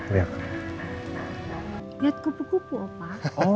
lihat kupu kupu pak